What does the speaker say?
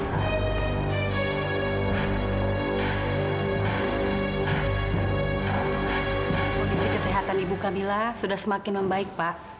kondisi kesehatan ibu camilla sudah semakin membaik pak